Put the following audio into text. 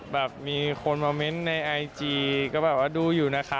แบบมีคนมาเมนต์ในไอจีก็แบบว่าดูอยู่นะคะ